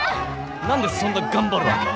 何でそんな頑張るわけ？